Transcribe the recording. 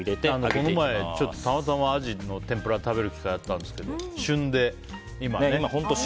この前、たまたまアジの天ぷらを食べる機会があったんですけど旬でね、今。